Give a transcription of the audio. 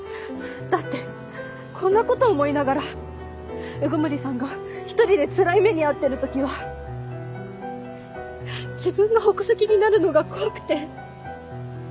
だってこんなことを思いながら鵜久森さんが独りでつらい目に遭ってる時は自分が矛先になるのが怖くて。